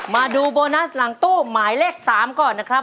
มาดูโบนัสหลังตู้หมายเลข๓ก่อนนะครับ